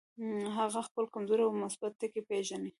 هغه خپل کمزوري او مثبت ټکي پېژني.